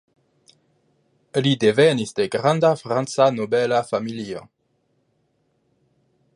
Li devenis de granda franca nobela familio.